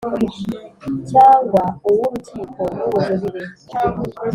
cyangwa uw Urukiko rw Ubujurire